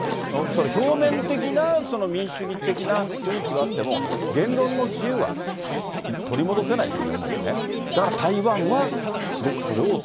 表面的な民主主義的な雰囲気はあっても、言論の自由は取り戻せないですよ